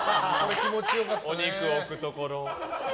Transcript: お肉置くところ。